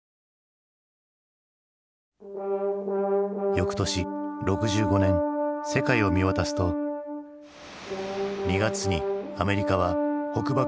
よくとし６５年世界を見渡すと２月にアメリカは北爆を開始。